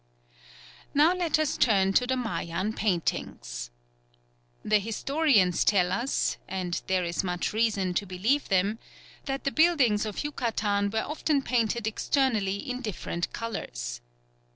Now let us turn to the Mayan paintings. The historians tell us and there is much reason to believe them that the buildings of Yucatan were often painted externally in different colours.